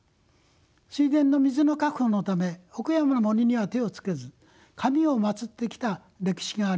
水田の水の確保のため奥山の森には手をつけず神を祀ってきた歴史があります。